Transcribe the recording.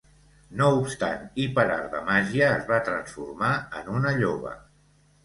No obstant i per art de màgia es va transformar en una lloba.